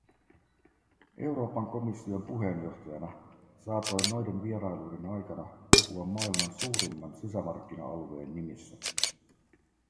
Euroopan komission puheenjohtajana saatoin noiden vierailujen aikana puhua maailman suurimman sisämarkkina-alueen nimissä.